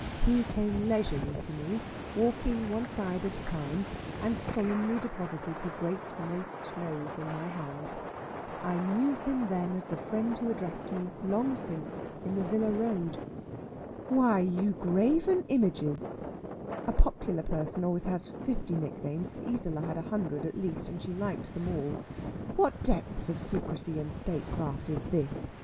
He came leisurely to me, walking one side at a time, and solemnly deposited his great moist nose in my hand. I knew him then as the friend who addressed me, long since, in the Villa Road. "Why, you graven images" a popular person always has fifty nicknames; Isola had a hundred at least, and she liked them all "what depth of secresy and statecraft is this!